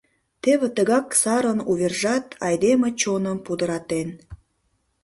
Теве тыгак сарын увержат айдеме чоным пудыратен.